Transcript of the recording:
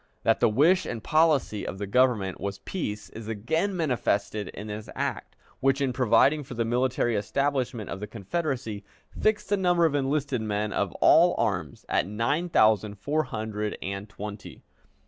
That the wish and policy of the Government was peace is again manifested in this act, which, in providing for the military establishment of the Confederacy, fixed the number of enlisted men of all arms at nine thousand four hundred and twenty.